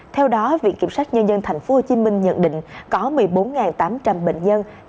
theo đó viện kiểm sát nhân dân tp hcm nhận định có một mươi bốn tám trăm linh bệnh nhân